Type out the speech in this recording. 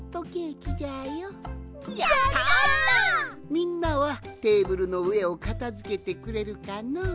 みんなはテーブルのうえをかたづけてくれるかのう？